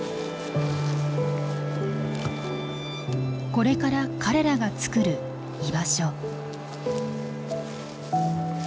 これから彼らがつくる居場所。